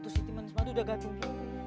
siti manis madu udah gatung